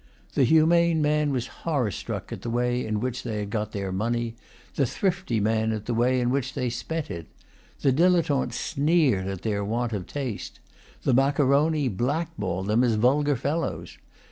The humane man was horror struck at the way in which they had got their money, the thrifty man at the way in which they spent it. The Dilettante sneered at their want of taste. The Maccaroni black balled them as vulgar fellows.